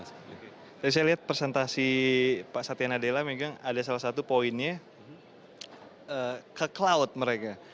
saya lihat presentasi pak satya nadella memang ada salah satu poinnya ke cloud mereka